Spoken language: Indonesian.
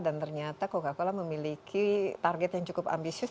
dan ternyata coca cola memiliki target yang cukup ambisius